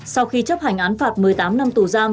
sau khi chấp hành án phạt một mươi tám năm tù giam